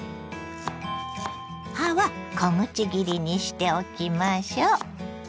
葉は小口切りにしておきましょ。